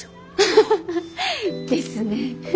ハハハッですね。